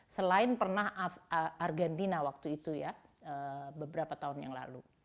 selain pernah argentina waktu itu ya beberapa tahun yang lalu